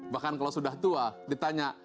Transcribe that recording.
bahkan kalau sudah tua ditanya